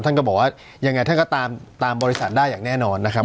ท่านก็บอกว่ายังไงท่านก็ตามตามบริษัทได้อย่างแน่นอนนะครับ